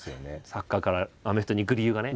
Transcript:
サッカーからアメフトにいく理由がね。